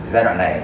giai đoạn này